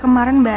kamu relate ya